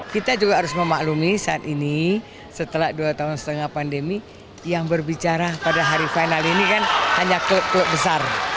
kita juga harus memaklumi saat ini setelah dua tahun setengah pandemi yang berbicara pada hari final ini kan hanya klub klub besar